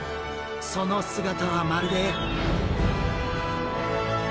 その姿はまるで。